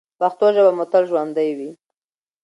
پښتو ژبه مو تل ژوندۍ وي.